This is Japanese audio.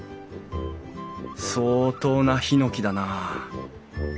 相当なヒノキだなあ。